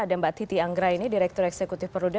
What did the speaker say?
dan mbak titi anggra ini direktur eksekutif perluda